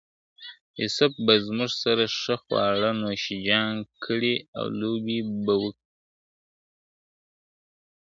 يوسف به زموږ سره ښه خواړه نوشجان کړي او لوبي به وکړي.